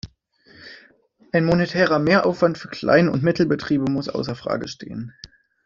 Ein monetärer Mehraufwand für Kleinund Mittelbetriebe muss außer Frage stehen.